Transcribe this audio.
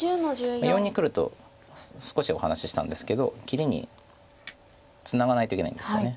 ④にくると少しお話ししたんですけど切りにツナがないといけないんですよね。